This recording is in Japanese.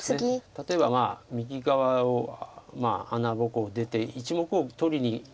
例えば右側を穴ぼこを出て１目を取りに。